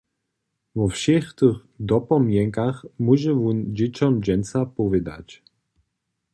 Wo wšěch tych dopomnjenkach móže wón dźěćom dźensa powědać.